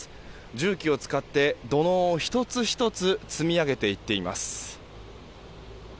重機を使って土のうを１つ１つ積み上げていっています。